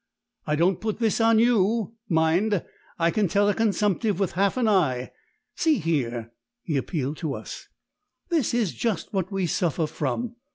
"I don't put this on you, mind; I can tell a consumptive with half an eye. See here" he appealed to us "this is just what we suffer from.